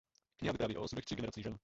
Kniha vypráví o osudech tří generací žen.